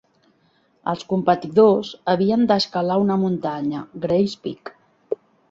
Els competidors havien de escalar una muntanya: Gray's Peak.